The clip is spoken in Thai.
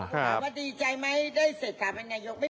พูดเรื่องแจกกล้วยพูดเรื่องแจกกล้วย